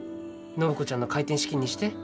暢子ちゃんの開店資金にして。